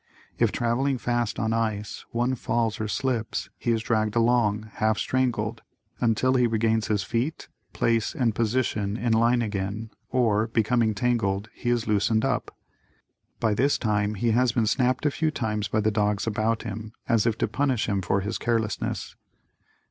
If traveling fast on ice and one falls or slips, he is dragged along, half strangled, until he regains his feet, place and position in line again, or, becoming tangled he is loosened up. By this time he has been snapped a few times by the dogs about him as if to punish him for his carelessness.